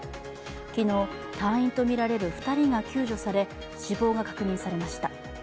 昨日、隊員とみられる２人が救助され、死亡が確認されました。